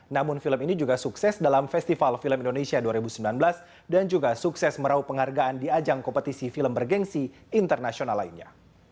namun film ini juga sukses dalam festival film indonesia dua ribu sembilan belas dan juga sukses merauh penghargaan di ajang kompetisi film bergensi internasional lainnya